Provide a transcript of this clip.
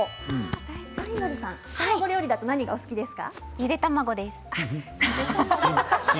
トリンドルさん卵料理だと何がお好きですか？